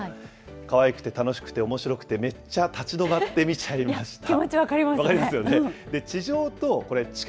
かわいくて、楽しくて、おもしろくてめっちゃ立ち止まって見ちゃいました。